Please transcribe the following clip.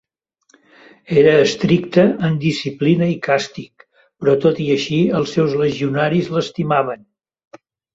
Era estricte en disciplina i càstig, però tot i així els seus legionaris l'estimaven.